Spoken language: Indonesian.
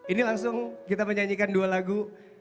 ini langsung kita menyanyikan dua lagu